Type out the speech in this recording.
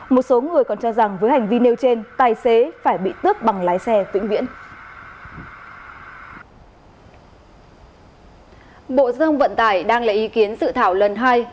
một số người còn cho rằng với hành vi nêu trên tài xế phải bị tước bằng lái xe